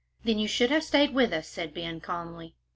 "Then you should have stayed with us," said Ben, calmly.